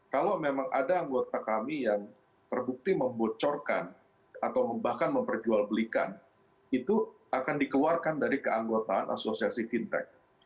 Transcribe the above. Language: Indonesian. kalau memang ada anggota kami yang terbukti membocorkan atau bahkan memperjualbelikan itu akan dikeluarkan dari keanggotaan asosiasi fintech